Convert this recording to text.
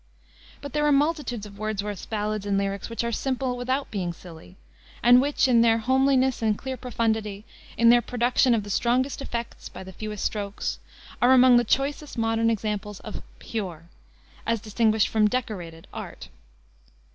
But there are multitudes of Wordsworth's ballads and lyrics which are simple without being silly, and which, in their homeliness and clear profundity, in their production of the strongest effects by the fewest strokes, are among the choicest modern examples of pure, as distinguished from decorated, art.